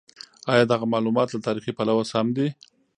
ایا دغه مالومات له تاریخي پلوه سم دي؟